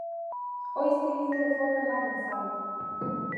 Ohi zilindro forma ematen zaio.